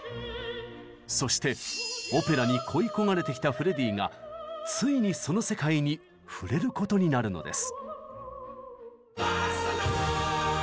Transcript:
そしてオペラに恋い焦がれてきたフレディがついにその世界に触れることになるのです。